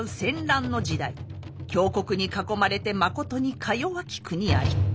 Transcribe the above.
強国に囲まれてまことにかよわき国あり。